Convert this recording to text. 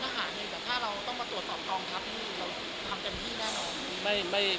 แต่ถ้าเราต้องมาตรวจต่อตรองทำเต็มที่แน่นอน